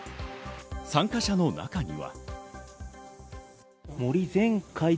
参加者の中には。